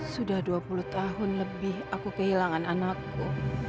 sudah dua puluh tahun lebih aku kehilangan anakku